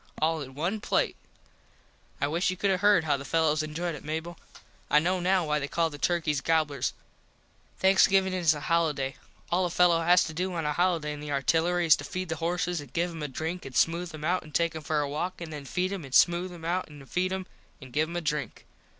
All in one plate. I wish you could have heard how the fellos enjoyed it Mable. I know now why they call the turkys gobblers. Thanksgivin is a holiday. All a fello has to do on a holiday in the artillery is to feed the horses an give em a drink an smooth em out an take em for a walk an then feed em an smooth em out an feed em an give em a drink.